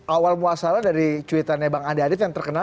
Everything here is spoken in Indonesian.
awal muasalah dari ceritanya bang adit adit yang terkenal